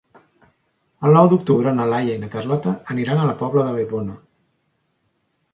El nou d'octubre na Laia i na Carlota aniran a la Pobla de Vallbona.